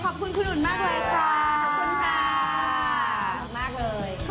ขอบคุณทั้งสองคนมากเลย